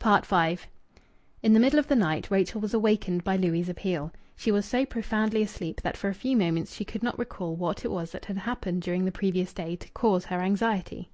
V In the middle of the night Rachel was awakened by Louis' appeal. She was so profoundly asleep that for a few moments she could not recall what it was that had happened during the previous day to cause her anxiety.